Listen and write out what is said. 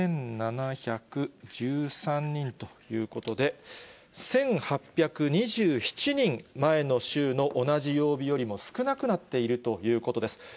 ６７１３人ということで、１８２７人、前の週の同じ曜日よりも少なくなっているということです。